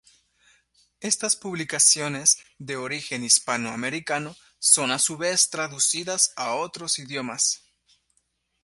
Estas publicaciones, de origen hispanoamericano, son a su vez traducidas a otros idiomas.